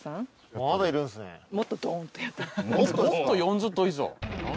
もっと４０棟以上？